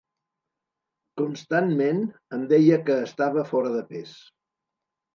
Constantment em deia que estava fora de pes.